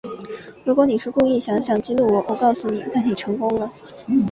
如果你是故意想想激怒我，我告诉你，那你成功了